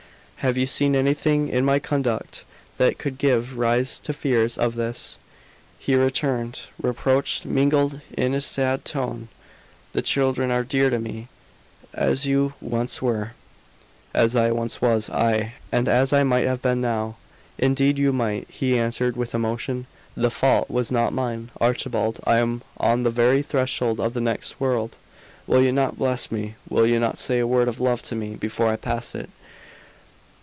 "Have you seen anything in my conduct that could give rise to fears of this?" he returned, reproach mingled in his sad tone. "The children are dear to me, as you once were." "As I once was. Aye, and as I might have been now." "Indeed you might," he answered, with emotion. "The fault was not mine." "Archibald, I am on the very threshold of the next world. Will you not bless me will you not say a word of love to me before I pass it!